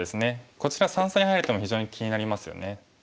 こちら三々に入る手も非常に気になりますよね。